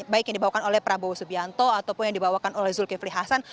baik yang dibawakan oleh prabowo subianto ataupun yang dibawakan oleh zulkifli hasan